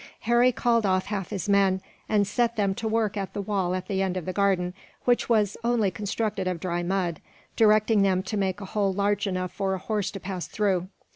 Harry called off half his men, and set them to work at the wall at the end of the garden, which was only constructed of dry mud; directing them to make a hole large enough for a horse to pass through.